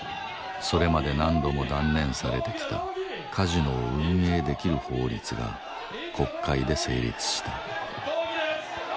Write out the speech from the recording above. それまで何度も断念されてきたカジノを運営できる法律が国会で成立した